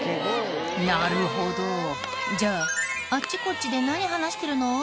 なるほどじゃああっちこっちで何話してるの？